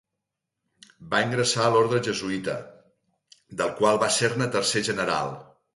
Va ingressar a l'orde jesuïta, del qual va ser-ne tercer general.